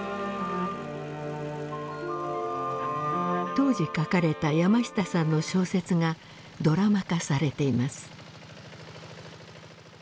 当時書かれた山下さんの小説がドラマ化されています。